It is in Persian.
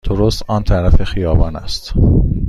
درست آن طرف خیابان است.